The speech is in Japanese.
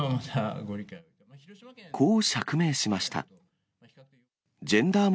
こう釈明しました。